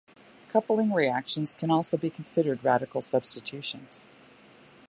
Coupling reactions can also be considered radical substitutions.